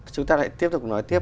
chúng ta lại tiếp tục nói tiếp